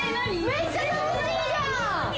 めっちゃ楽しいじゃん！